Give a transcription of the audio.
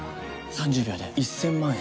３０秒で１０００万円